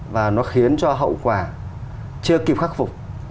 và nó khiến cho hậu quả chưa kịp khắc phục